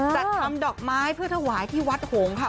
จัดทำดอกไม้เพื่อถวายที่วัดหงค่ะ